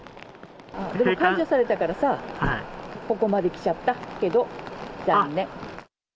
解除されたからさ、ここまで来ちゃったけど、残念。